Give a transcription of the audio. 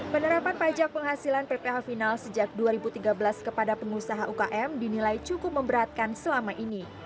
penerapan pajak penghasilan pph final sejak dua ribu tiga belas kepada pengusaha ukm dinilai cukup memberatkan selama ini